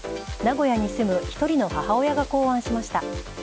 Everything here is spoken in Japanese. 名古屋に住む１人の母親が考案しました。